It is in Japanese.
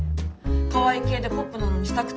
かわいい系でポップなのにしたくて。